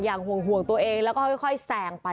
ห่วงตัวเองแล้วก็ค่อยแสงไป